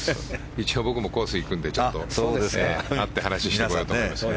一応僕もコースに行くのでちょっと会って話をしてこようと思います。